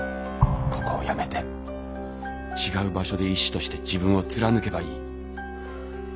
ここを辞めて違う場所で医師として自分を貫けばいい。